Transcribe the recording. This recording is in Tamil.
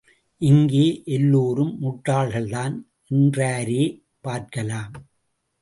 இங்கே எல்லோரும் முட்டாள்கள்தான், என்றாரே பார்க்கலாம்.